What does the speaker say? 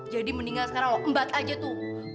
jadi mendingan sekarang lo mbat aja tuh ya